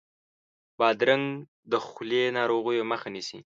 بادرنګ د خولې ناروغیو مخه نیسي.